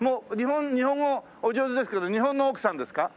日本語お上手ですけど日本の奥さんですか？